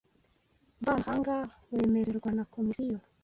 mvamahanga wemererwa na Komisiyo